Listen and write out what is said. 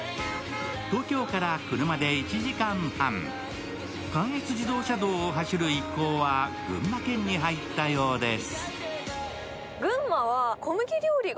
東京から車で１時間半、関越自動車道を走る一行は群馬県に入ったようです。